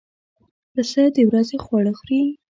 پسه د ورځې خواړه خوري.